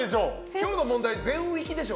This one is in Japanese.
今日の問題、全ウィキでしょ。